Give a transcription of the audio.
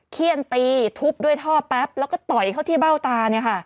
เคี่ยนตีทุบด้วยท่อแป๊บแล้วก็ต่อยเขาที่เป้าตา